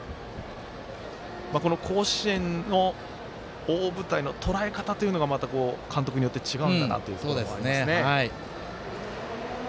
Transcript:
甲子園の大舞台のとらえ方というのが監督によって違うんだなということですね。